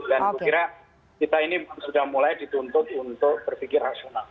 dan saya kira kita ini sudah mulai dituntut untuk berpikir rasional